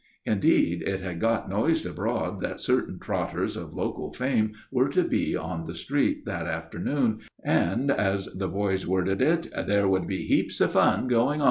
Indeed, it had got noised abroad that certain trotters of local fame were to be on the street that afternoon, and, as the boys worded it, "there would be heaps of fun going on."